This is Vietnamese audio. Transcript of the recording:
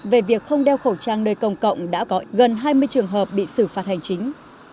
về việc không đeo khẩu trang nơi công cộng đã gần hai mươi trường hợp bị xử phạt hành chính